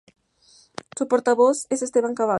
Su portavoz es Esteban Cabal.